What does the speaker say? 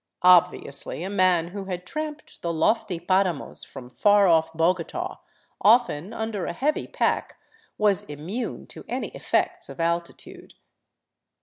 Obviously a man who had tramped the lofty paramos from far off Bogota, often under a heavy pack, was immune to any effects of altitude.